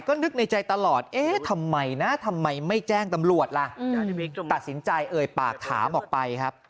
ก็นึกในใจตลอดเอ๊ะทำไมนะทำไมไม่แจ้งตำรวจล่ะตัดสินใจเอ่ยปากถามออกไปครับ